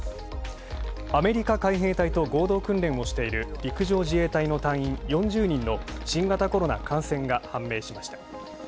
アメリカ海兵隊と合同訓練をしている陸上自衛隊の隊員４０人の新型コロナ感染が判明しました。